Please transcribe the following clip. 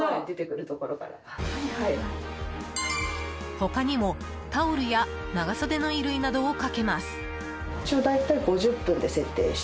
他にも、タオルや長袖の衣類などをかけます。